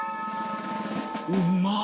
うまっ！